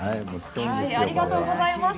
ありがとうございます。